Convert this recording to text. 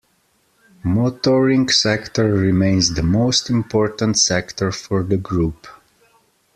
Motoring sector remains the most important sector for the group.